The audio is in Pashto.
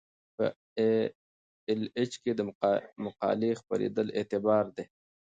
په ای ایل ایچ کې د مقالې خپریدل اعتبار دی.